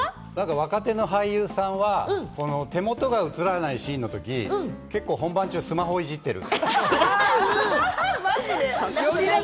若手の俳優さんは手元が映らないシーンのとき、結構、本番、スマホをいじっている。